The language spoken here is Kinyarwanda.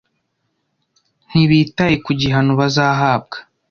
ntibitaye ku gihano bazahabwa